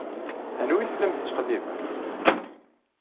Anwa i tellam tettqellibem?